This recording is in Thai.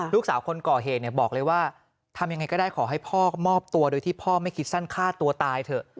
ลูกสาวคนก่อเหตุบอกเลยว่าทำยังไงก็ได้ขอให้พ่อมอบตัวโดยที่พ่อไม่คิดสั้นฆ่าตัวตายเถอะ